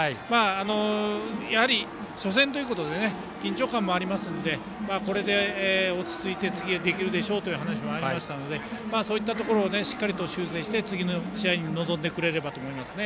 やはり初戦ということで緊張感もありますのでこれで落ち着いて次いけるでしょうという話もありましたのでそういったところをしっかり修正して次の試合に臨んでくれればと思います。